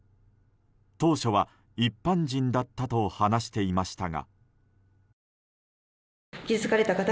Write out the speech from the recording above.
当初は、一般人だったと話していましたが。